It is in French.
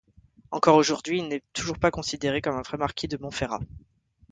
Encore aujourd'hui, il n'est pas toujours considéré comme un vrai marquis de Montferrat.